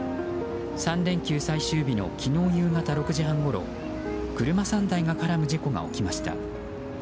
３連休最終日の昨日夕方６時半ごろ車３台が絡む事故が起きました。